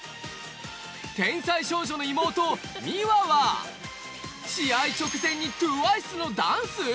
天才少女の妹・美和は、試合直前にＴＷＩＣＥのダンス。